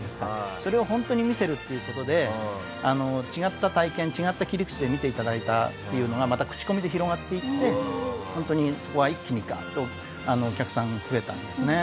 それを本当に見せるっていう事で違った体験違った切り口で見ていただいたっていうのがまた口コミで広がっていって本当にそこは一気にガッとお客さん増えたんですね。